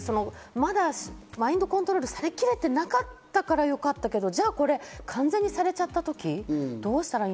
まだマインドコントロールされきれてなかったからよかったけど、完全にされちゃったときどうなったのかと。